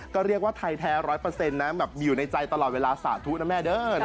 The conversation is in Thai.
ก็เรียกว่าไทยแท้ร้อยเปอร์เซ็นต์นะอยู่ในใจตลอดเวลาสาธุนะแม่เด้อ